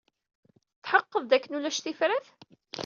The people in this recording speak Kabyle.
Tetḥeqqeḍ dakken ulac tifrat?